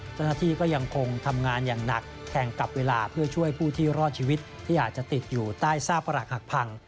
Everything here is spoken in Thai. เจ้าหน้าที่ก็ยังคงทำงานอย่างหนักแข่งกับเวลาเพื่อช่วยผู้ที่รอดชีวิตที่อาจจะติดอยู่ใต้ซากฝรักหักพัง